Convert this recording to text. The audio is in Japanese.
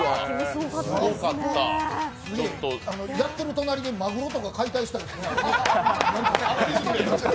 やってる隣でマグロとか解体したいですね。